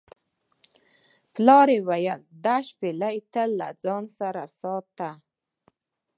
پلار یې وویل دا شپیلۍ تل له ځان سره ساته.